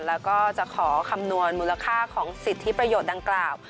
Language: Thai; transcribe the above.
แล้วก็จะขอคำนวณมูลค่าของสิทธิประโยชน์ดังกล่าว